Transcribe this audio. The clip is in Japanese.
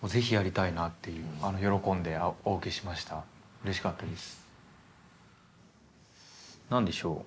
うれしかったです。